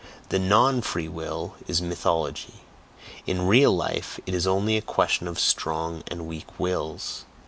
The "non free will" is mythology; in real life it is only a question of STRONG and WEAK wills.